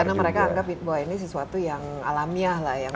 karena mereka anggap bahwa ini sesuatu yang alamiah lah